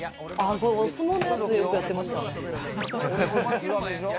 お相撲のやつやってました。